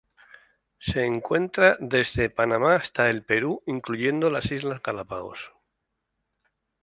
Se encuentra desde Panamá hasta el Perú, incluyendo las Islas Galápagos.